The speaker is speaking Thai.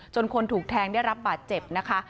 คนถูกแทงได้รับบาดเจ็บนะคะ